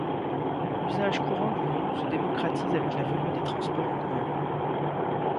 L'usage courant du nom se démocratise avec la venue des transports en commun.